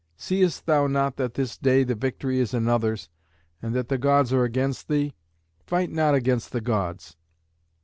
"Seest thou not that this day the victory is another's, and that the Gods are against thee? Fight not against the Gods."